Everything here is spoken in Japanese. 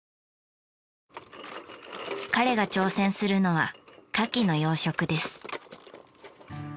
彼が挑戦するのは牡蠣の養殖です。